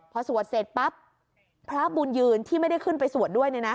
พอสวดเสร็จปั๊บพระบุญยืนที่ไม่ได้ขึ้นไปสวดด้วยเนี่ยนะ